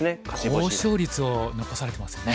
高勝率を残されてますよね。